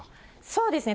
そうですね。